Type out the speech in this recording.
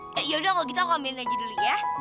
yaudah kalau gitu aku ambilin aja dulu ya